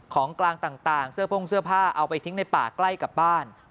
ของกลางต่างเสื้อพ่งเสื้อผ้าเอาไปทิ้งในป่าใกล้กับบ้าน